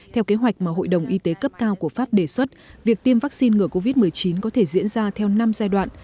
theo kế hoạch mà hội đồng y tế cấp cao của pháp đề xuất việc tiêm vaccine ngừa covid một mươi chín có thể diễn ra theo năm giai đoạn